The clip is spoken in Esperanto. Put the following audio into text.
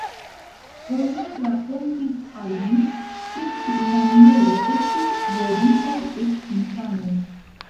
Oni rakontis al mi, ke tiumaniere estis voritaj eĉ infanoj.